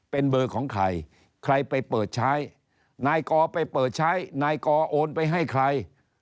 เป็นเบอร์ของใครใครไปเปิดใช้นายกอไปเปิดใช้นายกอโอนไปให้ใคร